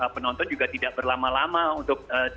penonton juga tidak berlama lama untuk